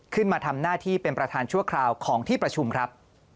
ขึ้นมาทำหน้าที่เป็นประธานชั่วคราวของที่ประชุมครับ